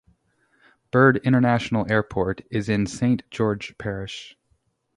Bird International Airport is in Saint George Parish.